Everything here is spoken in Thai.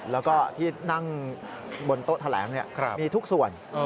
แล้วก็ที่นั่งบนโต๊ะแถลงมีทุกส่วน